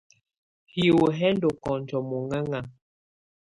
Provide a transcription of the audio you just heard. Hiwǝ́ hɛ́ ndɔ́ kɔnjɔ́ mɔŋɛŋa.